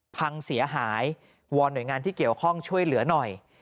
พังเสียหายวอนหน่วยงานที่เกี่ยวข้องช่วยเหลือหน่อย